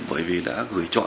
bởi vì đã gửi chọn